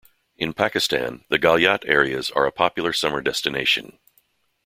In Pakistan, the Galyat areas are a popular summer destination.